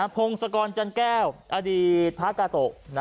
พงศกรจันแก้วอดีตพระกาโตะ